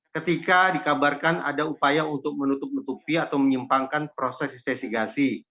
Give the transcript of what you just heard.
ketika dikabarkan ada upaya untuk menutup nutupi atau menyimpangkan proses investigasi